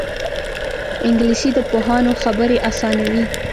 انګلیسي د پوهانو خبرې اسانوي